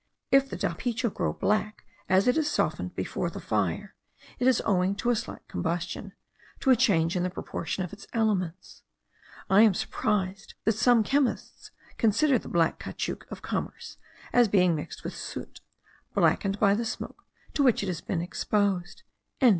If the dapicho grow black as it is softened before the fire, it is owing to a slight combustion, to a change in the proportion of its elements. I am surprised that some chemists consider the black caoutchouc of commerce, as being mixed with soot, blackened by the smoke to which it has been exposed.)